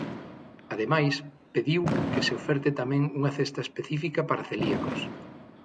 Ademais, pediu que se oferte tamén unha cesta específica para celíacos.